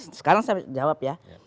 sekarang saya jawab ya